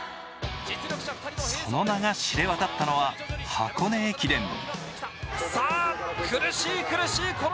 その名が知れ渡ったのは箱根駅伝。